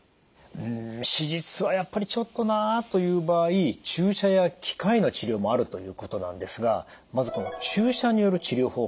うん手術はやっぱりちょっとなあという場合注射や機械の治療もあるということなんですがまずこの注射による治療法